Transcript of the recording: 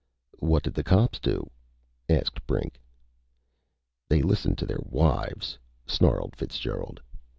"What did the cops do?" asked Brink. "They listened to their wives!" snarled Fitzgerald.